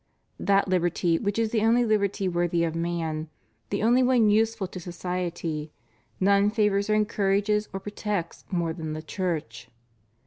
That liberty which is the only liberty worthy of man, the only one useful to society, none favors or encourages or protects more than the Church.